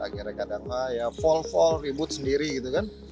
akhirnya kadang ya fall fall ribut sendiri gitu kan